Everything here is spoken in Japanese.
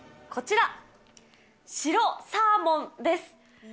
こちら、白サーモンです。